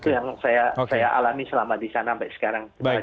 itu yang saya alami selama di sana sampai sekarang